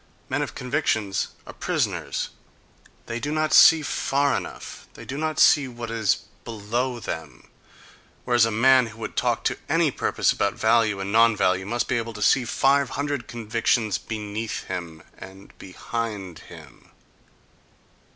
Men of convictions are prisoners. They do not see far enough, they do not see what is below them: whereas a man who would talk to any purpose about value and non value must be able to see five hundred convictions beneath him—and behind him....